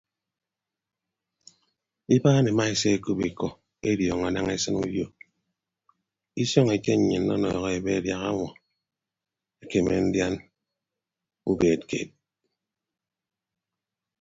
Ibaan ema esekop ikọ ediọọñọ daña esịn uyo isọñ ete nnyịn ọnọhọ ebe adiaha ọmọ ekem ndian ubeed keed.